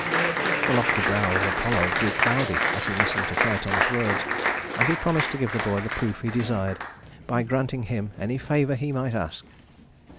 The lofty brow of Apollo grew cloudy as he listened to Phaëton's words, and he promised to give the boy the proof he desired by granting him any favor he might ask.